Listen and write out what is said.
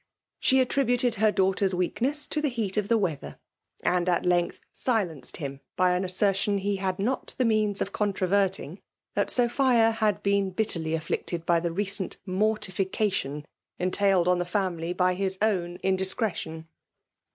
She attributed her daughter's weakness to the heat of the weather; and at length silenced him by an assertion he had not the means of controvertuig, that Sophia had been bitterly afflicted by the recent mor «tification entailed on the family by his own jlidiacretion.